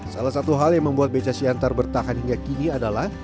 salah satu hal yang membuat beca siantar bertahan hingga kini adalah